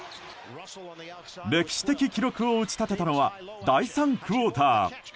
歴史的記録を打ち立てたのは第３クオーター。